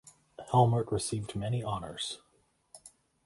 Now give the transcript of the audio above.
Helmert received many honours.